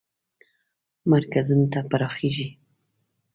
مرکزونو ته پراخیږي.